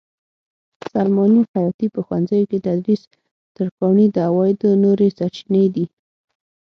سلماني؛ خیاطي؛ په ښوونځیو کې تدریس؛ ترکاڼي د عوایدو نورې سرچینې دي.